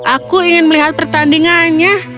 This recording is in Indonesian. aku ingin melihat pertandingannya